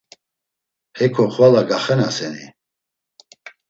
Heko xvala gaxenaseni?